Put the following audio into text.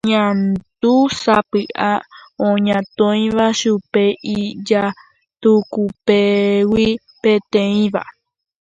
Oñandújesapy'a oñatõiramo chupe ijatukupégui peteĩva.